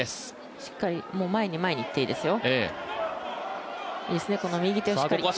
しっかり前に前にいっていいですよ。